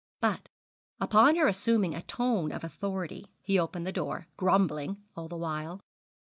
But, upon her assuming a tone of authority, he opened the door, grumbling all the while.